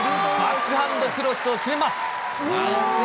バックハンドクロスを決めます。